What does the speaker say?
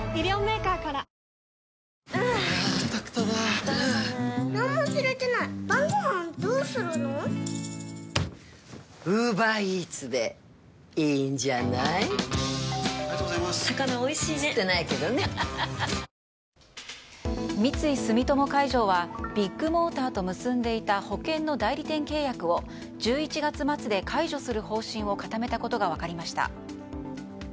ペイトク三井住友海上がビッグモーターと結んでいた保険の代理店契約を１１月末で解除する方針を固めたことが分かりました。